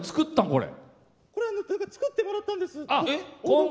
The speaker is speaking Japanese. これは作ってもらったんです。